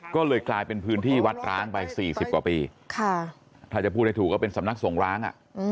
ก็เลยกลายเป็นพื้นที่วัดร้างไป๔๐กว่าปีถ้าจะพูดให้ถูกก็เป็นสำนักส่งร้าง